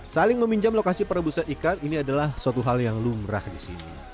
saling meminjam lokasi perebusan ikan ini adalah suatu hal yang lumrah di sini